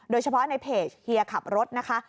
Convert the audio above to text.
โดยเฉพาะในเพจเฮียขับรถนะคะ